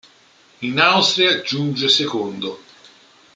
In Austria giunge secondo.